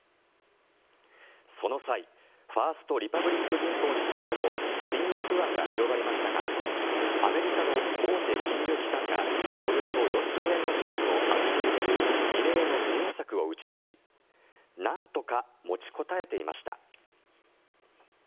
その際、ファースト・リパブリック銀行についても信用不安が広がりましたがアメリカの大手金融機関がおよそ４兆円の資金を預け入れる異例の支援策を打ち出しなんとか持ちこたえていました。